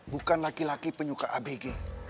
bukan laki laki penyuka abg